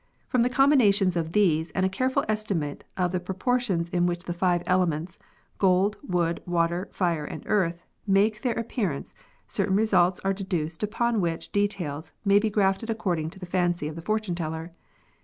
From the combinations of these and a careful estimate of the proportions in which the five elements — gold, wood, water, fire, and earth — make their appearance, certain results are deduced upon which details may be grafted according to the fancy of the fortune teller.